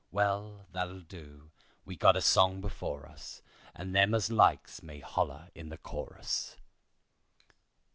Well, that'll do. We got a song before us, And them as likes may holler in the chorus."